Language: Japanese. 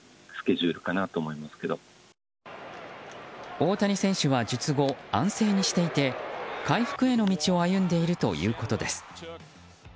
大谷選手は術後、安静にしていて回復への道を歩んでいるということです。